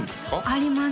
あります